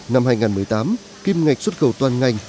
năm hai nghìn một mươi tám kim ngạch xuất khẩu toàn ngành